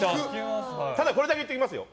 ただこれだけ言っておきますよ。